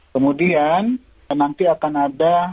kemudian nanti akan ada